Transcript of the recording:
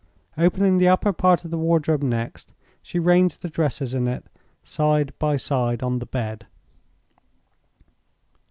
Opening the upper part of the wardrobe next, she ranged the dresses in it side by side on the bed.